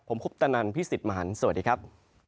ผมคุปตนันพี่สิทธิ์มหันฯสวัสดีครับ